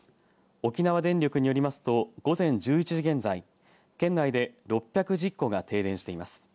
沖縄電力によりますと午前１１時現在県内で６１０戸が停電しています。